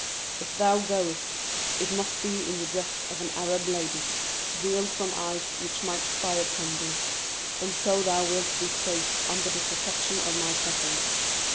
If thou goest, it must be in the dress of an Arab lady, veiled from eyes which might spy upon thee; and so thou wilt be safe under the protection of my cousin."